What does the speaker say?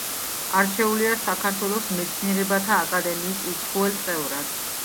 არჩეულია საქართველოს მეცნიერებათა აკადემიის უცხოელ წევრად.